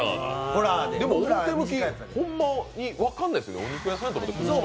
でも、表向きほんまに分かんないですね、お肉屋さんみたい。